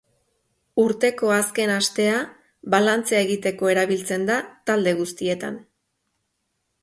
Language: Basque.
Urteko azken astea balantzea egiteko erabiltzen da talde guztietan.